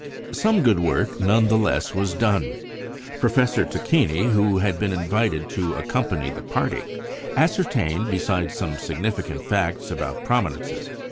Some good work, none the less, was done. Professor Tacchini, who had been invited to accompany the party, ascertained besides some significant facts about prominences.